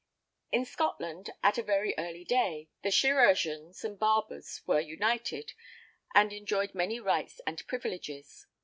In Scotland, at a very early day, the chirurgeons and barbers were united, and enjoyed many rights and privileges.